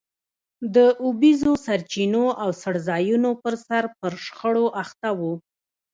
د اوبیزو سرچینو او څړځایونو پرسر پر شخړو اخته وو.